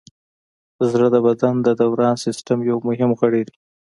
زړه د بدن د دوران سیستم یو مهم غړی دی.